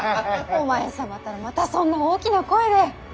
お前様ったらまたそんな大きな声で。